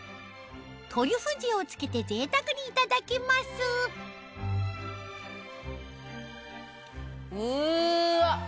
トリュフ塩を付けてぜいたくにいただきますうわ！